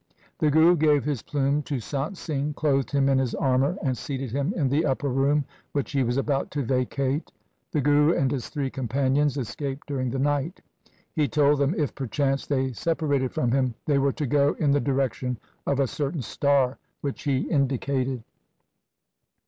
The Guru gave his plume to Sant Singh, clothed him in his armour, and seated him in the upper room which he was about to vacate. The Guru and his three companions escaped during the night. He told them, if perchance they separated from him, they were to go in the direction of a certain star which he indicated.